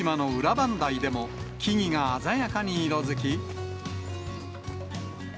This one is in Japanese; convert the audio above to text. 磐梯でも、木々が鮮やかに色づき。